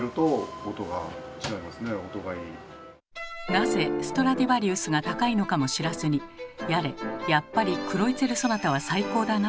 なぜストラディヴァリウスが高いのかも知らずにやれ「やっぱり『クロイツェルソナタ』は最高だな」